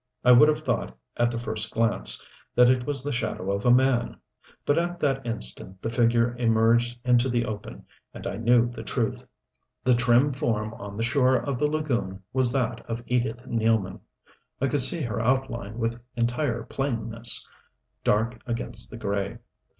I would have thought, at the first glance, that it was the shadow of a man. But at that instant the figure emerged into the open, and I knew the truth. The trim form on the shore of the lagoon was that of Edith Nealman. I could see her outline with entire plainness, dark against the gray.